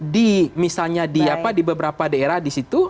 di misalnya di beberapa daerah di situ